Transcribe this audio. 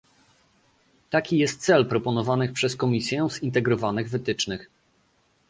Taki jest cel proponowanych przez Komisję zintegrowanych wytycznych